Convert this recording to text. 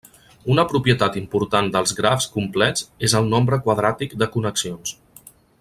Una propietat important dels grafs complets és el nombre quadràtic de connexions.